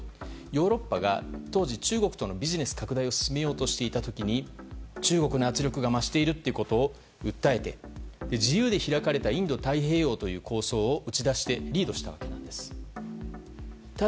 ヨーロッパが当時中国とのビジネス拡大を進めようとしていた時に中国の圧力が増していることを訴えて自由で開かれたインド太平洋という構想を打ち出してリードしました。